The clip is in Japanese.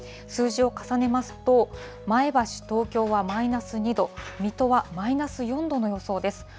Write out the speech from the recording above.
数字を重ねますと、前橋、東京はマイナス２度、水戸はマイナス４度の予想です。